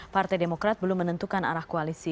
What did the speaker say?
partai demokrat belum menentukan arah koalisi